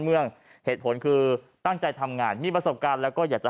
เมืองเหตุผลคือตั้งใจทำงานมีประสบการณ์แล้วก็อยากจะ